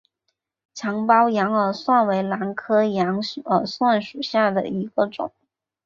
长苞羊耳蒜为兰科羊耳蒜属下的一个种。